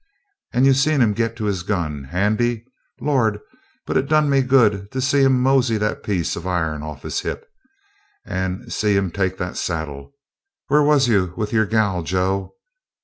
And you seen him get to his gun? Handy! Lord, but it done me good to see him mosey that piece of iron off'n his hip. And see him take that saddle? Where was you with your gal, Joe?